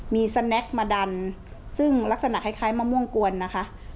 มีสแนคมาดันซึ่งลักษณะคล้ายมะม่วงกวนนะคะ